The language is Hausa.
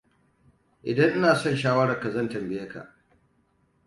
Idan ina son shawararka, zan tambaye ka.